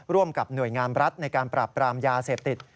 ร่วมกับหน่วยงามรัฐในการปราบปรามยาเสพติด